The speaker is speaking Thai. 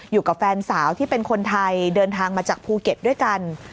อยู่กับแฟนสาวที่เป็นคนไทยเดินทางมาจากภูเก็ตด้วยกัน